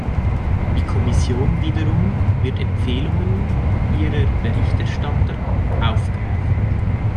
Die Kommission wiederum wird Empfehlungen Ihrer Berichterstatter aufgreifen.